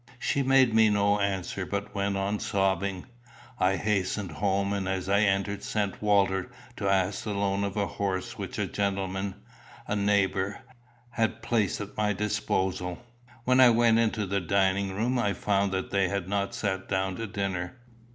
She made me no answer, but went on sobbing. I hastened home, and as I entered sent Walter to ask the loan of a horse which a gentleman, a neighbour, had placed at my disposal. When I went into the dining room, I found that they had not sat down to dinner.